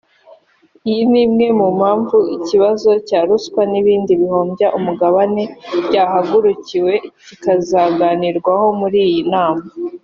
Iyi ni imwe mu mpamvu ikibazo cya ruswa n’ibindi bihombya umugabane byahagurukiwe bikazanaganirwaho muri iyi nama